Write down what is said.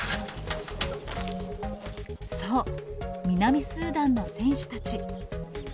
そう、南スーダンの選手たち。